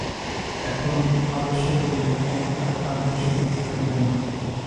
এখন আলস্য করিলে পরে আর কার্যের সুযোগ থাকিবে না।